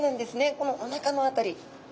このおなかの辺り。